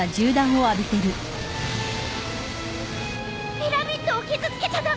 ピラミッドを傷つけちゃ駄目！